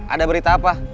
ada berita apa